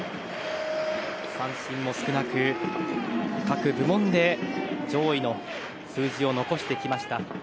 三振も少なく、各部門で上位の数字を残してきました。